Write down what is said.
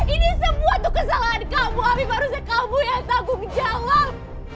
ini semua tuh kesalahan kamu tapi baru saja kamu yang tanggung jawab